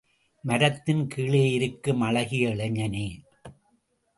மரத்தின் கீழே இருக்கும் அழகிய இளைஞனே!